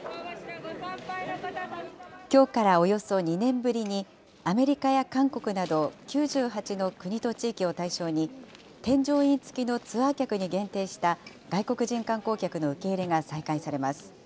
きょうからおよそ２年ぶりにアメリカや韓国など、９８の国と地域を対象に、添乗員付きのツアー客に限定した外国人観光客の受け入れが再開されます。